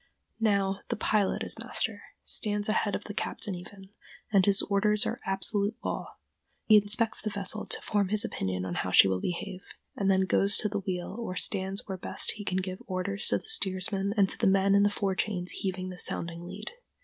Now the pilot is master—stands ahead of the captain even—and his orders are absolute law. He inspects the vessel to form his opinion of how she will behave, and then goes to the wheel or stands where best he can give his orders to the steersman and to the men in the fore chains heaving the sounding lead.